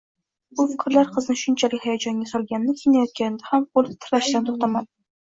Bu fikrlar qizni shunchalik hayajonga solganidan kiyinayotganida ham qoʻli titrashdan toʻxtamadi